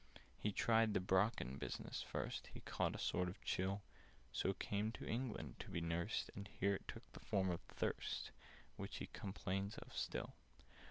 "He tried the Brocken business first, But caught a sort of chill; So came to England to be nursed, And here it took the form of thirst, Which he complains of still.